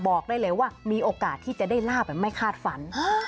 บอกได้เลยว่ามีโอกาสที่จะได้ลาบแบบไม่คาดฝัน